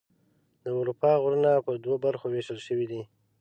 د اروپا غرونه په دوه برخو ویشل شوي دي.